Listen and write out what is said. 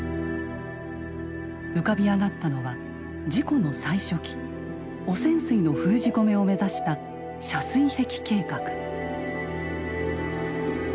浮かび上がったのは事故の最初期汚染水の封じ込めを目指した遮水壁計画。